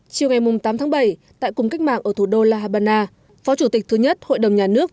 chiều ngày tám tháng bảy tại cùng cách mạng ở thủ đô la habana phó chủ tịch thứ nhất hội đồng nhà nước